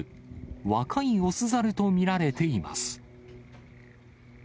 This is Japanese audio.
若い雄猿と見られています。